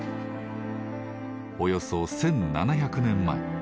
およそ１，７００年前。